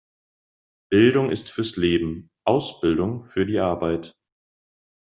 Bildung ist fürs Leben, Ausbildung für die Arbeit.